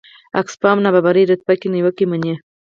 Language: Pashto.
اکسفام نابرابرۍ رتبه کې نیوکې مني.